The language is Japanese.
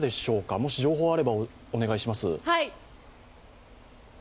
もし情報があれば、お願いします。